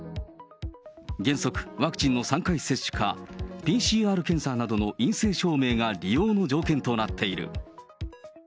原則、ワクチンの３回接種か、ＰＣＲ検査などの陰性証明が利用の条件となっている。